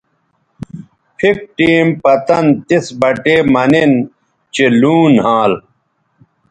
پِھک ٹیم پتَن تِس بٹے مہ نِن چہء لوں نھال